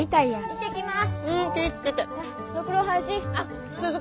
行ってきます！